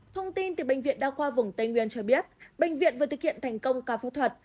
thông tin từ bệnh viện đa khoa vùng tây nguyên cho biết bệnh viện vừa thực hiện thành công ca phẫu thuật